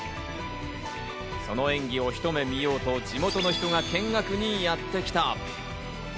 その演技をひと目見ようと地元の人が見学にやってきた。